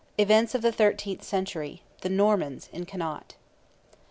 EVENTS OF THE THIRTEENTH CENTURY—THE NORMANS IN CONNAUGHT.